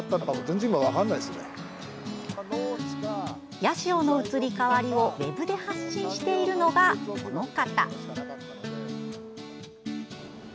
八潮の移り変わりをウェブで発信しているのがこの方。